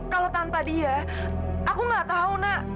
kalau tanpa dia aku nggak tau na